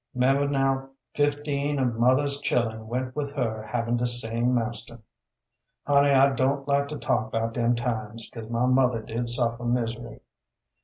'Member now fifteen of mother's chillun went with her having de same master. Honey, I don't like to talk 'bout dem times, 'cause my mother did suffer misery.